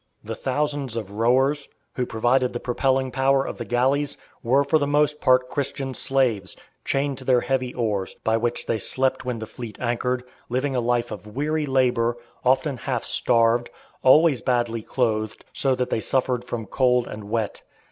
The thousands of rowers, who provided the propelling power of the galleys, were for the most part Christian slaves, chained to their heavy oars, by which they slept when the fleet anchored, living a life of weary labour, often half starved, always badly clothed, so that they suffered from cold and wet.